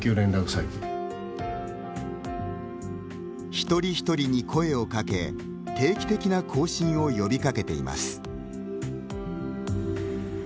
一人一人に声をかけ定期的な更新を呼びかけています。